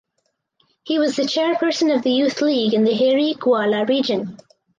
He was chairperson of the youth league in the Harry Gwala Region.